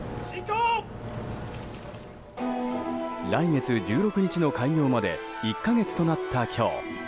来月１６日の開業まで１か月となった今日